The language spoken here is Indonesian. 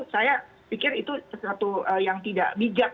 saya pikir itu sesuatu yang tidak bijak